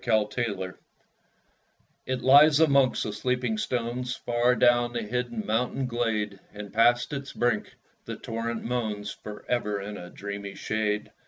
Mountain Moss It lies amongst the sleeping stones, Far down the hidden mountain glade; And past its brink the torrent moans For ever in a dreamy shade.